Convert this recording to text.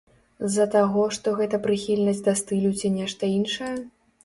З-за таго, што гэта прыхільнасць да стылю ці нешта іншае?